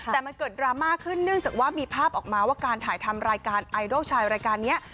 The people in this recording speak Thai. แต่มันเกิดดราม่าขึ้นเนื่องจากว่ามีภาพออกมาว่าการถ่ายทำรายการไอดอลชายรายการนี้